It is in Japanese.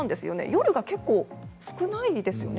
夜が結構少ないですよね。